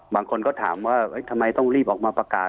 บางคนก็ถามว่าทำไมต้องรีบออกมาประกาศ